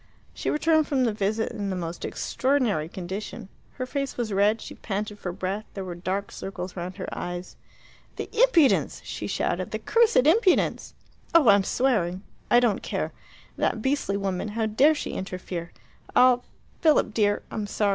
She returned from the visit in the most extraordinary condition. Her face was red, she panted for breath, there were dark circles round her eyes. "The impudence!" she shouted. "The cursed impudence! Oh, I'm swearing. I don't care. That beastly woman how dare she interfere I'll Philip, dear, I'm sorry.